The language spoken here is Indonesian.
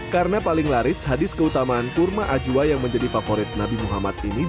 karena paling laris hadis keutamaan kurma ajwa yang menjadi favorit nabi muhammad ini